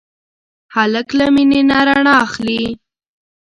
هلک له مینې نه رڼا اخلي.